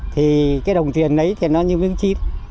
thì cái đồng tiền lấy thì nó như miếng chim